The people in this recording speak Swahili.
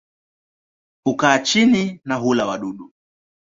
Hukaa chini na hula wadudu.